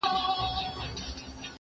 زه اوس اوبه ورکوم،